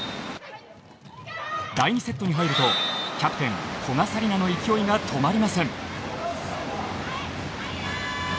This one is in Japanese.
第２セットに入るとキャプテン・古賀紗理那の勢いが止まりません。